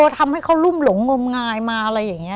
ทำให้เขารุ่มหลงงมงายมาอะไรอย่างนี้